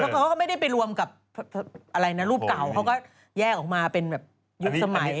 เขาก็ไม่ได้ไปรวมกับอะไรนะรูปเก่าเขาก็แยกออกมาเป็นแบบยุคสมัย